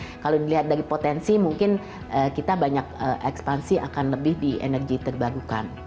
jadi kalau dilihat dari potensi mungkin kita banyak ekspansi akan lebih di energi terbarukan